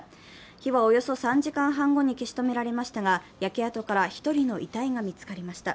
火はおよそ３時間半後に消し止められましたが、焼け跡から１人の遺体が見つかりました。